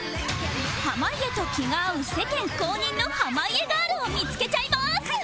濱家と気が合う世間公認の濱家ガールを見付けちゃいます